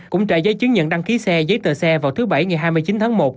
cũng trả giấy chứng nhận đăng ký xe giấy tờ xe vào thứ bảy ngày hai mươi chín tháng một